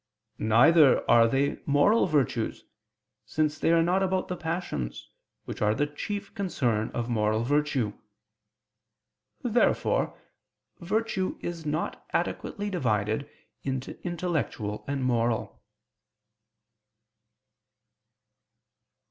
Neither are they moral virtues; since they are not about the passions, which are the chief concern of moral virtue. Therefore virtue is not adequately divided into intellectual and moral.